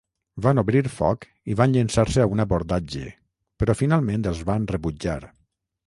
Van obrir foc i van llençar-se a un abordatge, però finalment els van rebutjar.